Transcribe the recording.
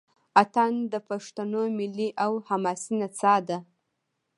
اټن د پښتنو ملي او حماسي نڅا ده.